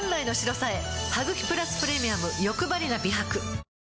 「ハグキプラスプレミアムよくばりな美白」